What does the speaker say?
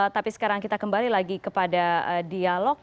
tapi sekarang kita kembali lagi kepada dialog